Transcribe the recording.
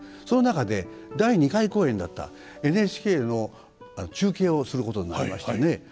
その中で第２回公演だったＮＨＫの中継をすることになりましてね。